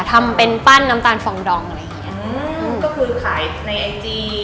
ทำเป็นปั้นน้ำตาลฟองดองอะไรอย่างเงี้ยอืมก็คือขายในไอจี